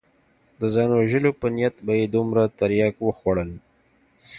د ځان وژلو په نيت به يې دومره ترياک وخوړل.